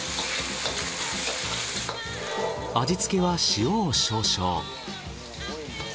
味付けは塩を少々。